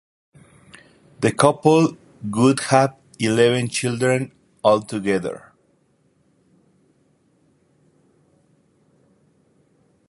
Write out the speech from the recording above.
The couple would have eleven children altogether.